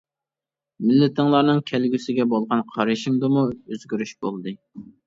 مىللىتىڭلارنىڭ كەلگۈسىگە بولغان قارىشىمدىمۇ ئۆزگىرىش بولدى.